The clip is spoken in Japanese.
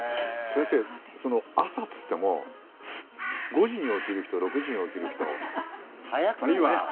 先生、朝っていっても５時に起きる人、６時に起きる人あるいは。